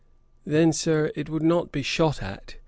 'Then, Sir, it would not be shot at.